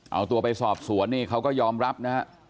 เอาตัวไปสอบสวนนี่เขาก็ยอมรับนะฮะ